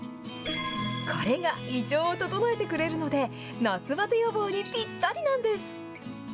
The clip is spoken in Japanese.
これが胃腸を整えてくれるので、夏バテ予防にぴったりなんです。